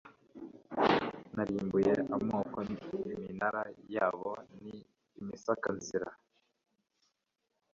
Narimbuye amoko iminara yabo ni imisaka inzira